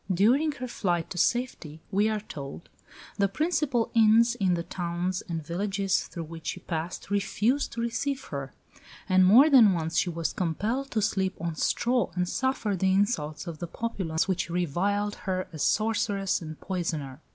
During her flight to safety, we are told, "the principal inns in the towns and villages through which she passed refused to receive her"; and more than once she was compelled to sleep on straw and suffer the insults of the populace, which reviled her as sorceress and poisoner.